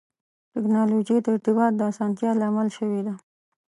ټکنالوجي د ارتباط د اسانتیا لامل شوې ده.